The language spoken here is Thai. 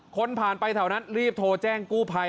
คนผ่านไปแถวนั้นรีบโทรแจ้งกู้ภัย